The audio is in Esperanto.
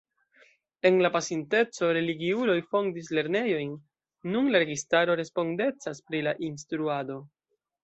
En la pasinteco religiuloj fondis lernejojn; nun la registaro respondecas pri la instruado.